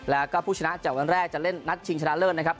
แล้วก็ผู้ชนะจากวันแรกจะเล่นนัดชิงชนะเลิศนะครับ